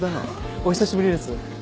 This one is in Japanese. お久しぶりです。